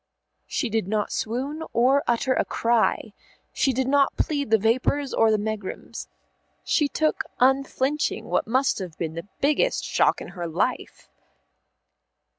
She did not swoon or utter a cry. She did not plead the vapours or the megrims. She took unflinching what must have been the biggest shock in her life.